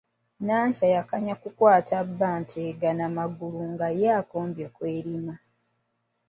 Nakyala yakanda kukwata bba ntege n'amagulu nga ye akombye ku erima.